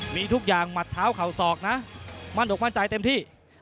มีทุกอย่างหมัดเท้าเข่าศอกนะมั่นอกมั่นใจเต็มที่